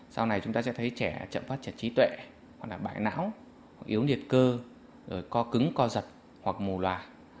sau này chúng ta sẽ thấy trẻ chậm phát trật trí tuệ hoặc là bãi não yếu liệt cơ rồi co cứng co giật hoặc mù loà